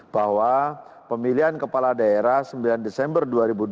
bahwa pemilihan kepala daerah sembilan desember dua ribu dua puluh